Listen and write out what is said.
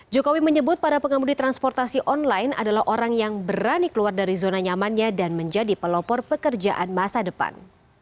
jokowi menyebut para pengemudi transportasi online adalah orang yang berani keluar dari zona nyamannya dan menjadi pelopor pekerjaan masa depan